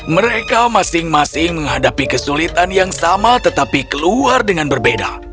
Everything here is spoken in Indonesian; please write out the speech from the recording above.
mereka masing masing menghadapi kesulitan yang sama tetapi keluar dengan berbeda